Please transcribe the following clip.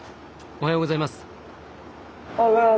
おはようございます。